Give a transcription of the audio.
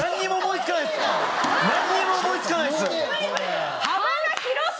なんにも思いつかないです！